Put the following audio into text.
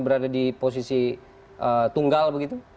berada di posisi tunggal begitu